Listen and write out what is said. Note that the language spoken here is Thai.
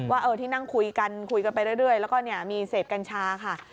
ว่าที่นั่งคุยกันคุยกันไปเรื่อยแล้วก็มีเสพกัญชาค่ะ